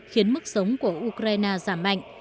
khiến mức sống của ukraine giảm mạnh